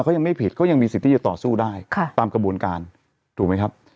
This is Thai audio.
เขายังไม่ผิดเขายังมีสิทธิ์ที่จะต่อสู้ได้ตามกระบวนการถูกไหมครับ